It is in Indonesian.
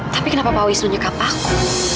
tapi kenapa pak wisnu nyekap aku